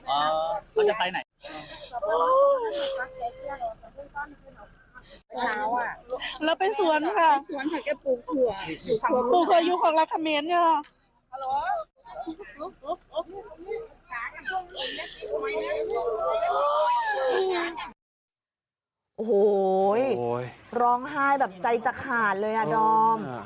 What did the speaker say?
โอ้โหร้องไห้แบบใจจะขาดเลยอ่ะดอม